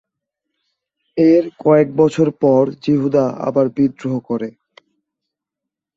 এর কয়েক বছর পর যিহূদা আবার বিদ্রোহ করে।